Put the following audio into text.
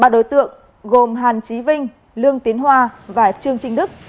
ba đối tượng gồm hàn trí vinh lương tiến hoa và trương trinh đức